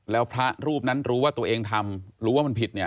แล้วพระรูปนั้นรู้ว่าตัวเองทำรู้ว่ามันผิดเนี่ย